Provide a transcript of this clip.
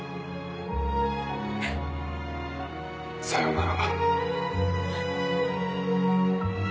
さよなら。